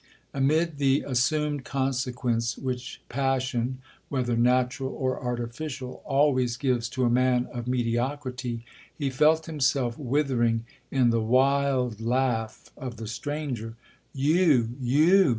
Amid the assumed consequence which passion, whether natural or artificial, always gives to a man of mediocrity, he felt himself withering in the wild laugh of the stranger. 'You,—you!'